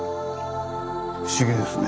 不思議ですね。